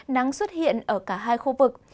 nắng xuất hiện ở cả hai khu vực